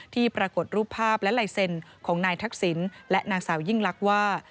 ที่ปรากฏรูปภาพและลายเซ็นต์ของนายทักษิณและนางสาวยิ่งลักษณ์ว่า